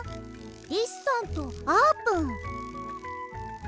リスさんとあーぷん。